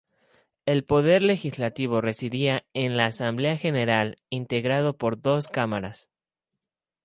El Poder Legislativo residía en la Asamblea General integrado por dos Cámaras.